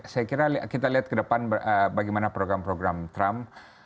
saya kira kita lihat ke depan bagaimana program program trump